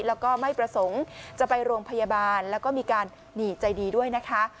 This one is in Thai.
แล้วก็ไม่ประสงค์จะไปโรงพยาบาลแล้วก็มีการหนีใจดีด้วยนะคะ